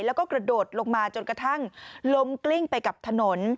แล้วก็กระโดดลงมาจนกระทั่งล้มกลิ้งไปกับถนน